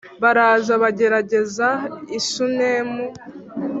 baraza bagerereza i shunemu